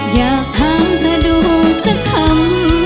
อยากถามเธอดูสักคำ